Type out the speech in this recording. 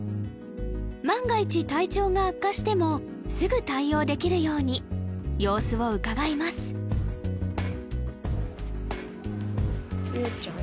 万が一体調が悪化してもすぐ対応できるように様子をうかがいますリュウちゃん